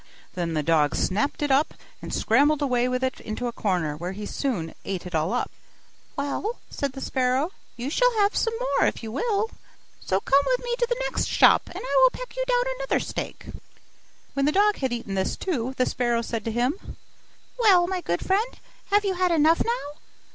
Then the dog snapped it up, and scrambled away with it into a corner, where he soon ate it all up. 'Well,' said the sparrow, 'you shall have some more if you will; so come with me to the next shop, and I will peck you down another steak.' When the dog had eaten this too, the sparrow said to him, 'Well, my good friend, have you had enough now?